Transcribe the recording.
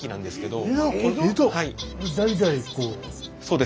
代々こう。